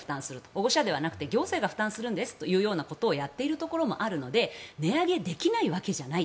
保護者ではなく行政が負担するとやっているところもあるので値上げできないわけじゃない。